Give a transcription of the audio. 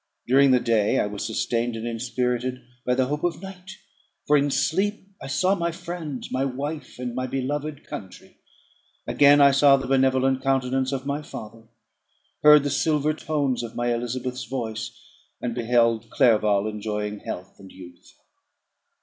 During the day I was sustained and inspirited by the hope of night: for in sleep I saw my friends, my wife, and my beloved country; again I saw the benevolent countenance of my father, heard the silver tones of my Elizabeth's voice, and beheld Clerval enjoying health and youth.